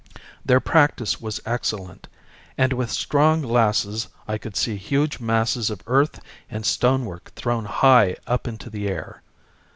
Their practice was excellent, and with strong glasses I could see huge masses of earth and stonework thrown high up into the air.